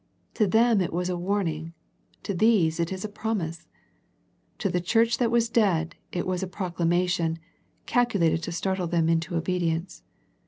To them it was a warn ing. To these it is a promise. To the church that was dead, it was a proclamation, calcu lated to startle them into obedience.